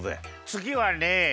つぎはね